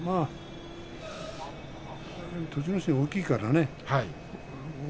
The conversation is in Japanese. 栃ノ心、大きいからね